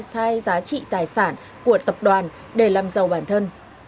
sai giá trị tài sản của tập đoàn để làm giàu bản thân